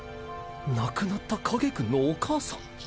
亡くなったカゲ君のお母さん。